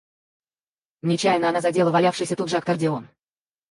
Нечаянно она задела валявшийся тут же аккордеон.